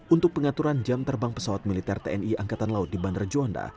untuk pengaturan jam terbang pesawat militer tni angkatan laut di bandara juanda